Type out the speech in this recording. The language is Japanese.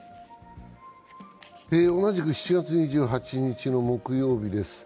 同じく７月２８日の木曜日です